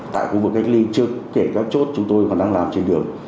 tại khu vực cách ly trước kể các chốt chúng tôi còn đang làm trên đường